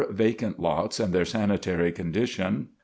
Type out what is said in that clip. Vacant lots and their sanitary condition.